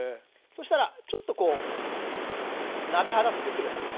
そしたらちょっとこう鍋肌作って下さい。